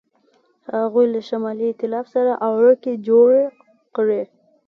هغوی له شمالي ایتلاف سره اړیکې جوړې کړې.